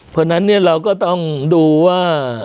เพราะฉะนั้นเราก็ต้องดูว่า